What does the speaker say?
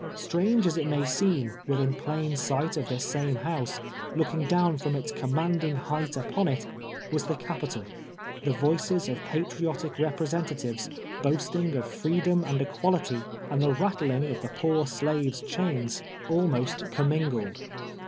Strange as it may seem, within jtlain sight of this same house, looking down iVom its com mandlng height u})ou it, M'as the Ca])itol. The voices (•f patriotic repi'escntatives boasting of freedom and equality, and the rattling of the poor slave's chains, as3::kt inr freedom. 43 almost comininglod.